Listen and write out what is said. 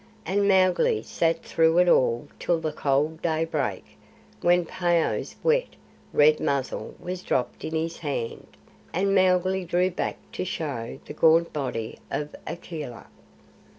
And Mowgli sat through it all till the cold daybreak, when Phao's wet, red muzzle was dropped in his hand, and Mowgli drew back to show the gaunt body of Akela.